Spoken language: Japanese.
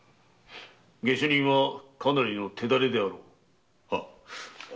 下手人はかなりの手足れであるな。